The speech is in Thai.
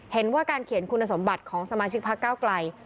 เห็นว่าการเขียนคุณสมบัติของสมาชิกพักเก้าไกล